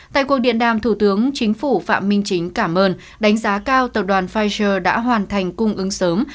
tại cuộc điện đàm thủ tướng chính phủ phạm minh chính cảm ơn đánh giá cao tập đoàn pfizer đã hoàn thành cung ứng sớm